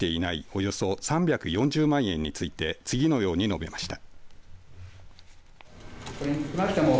およそ３４０万円について次のように述べました。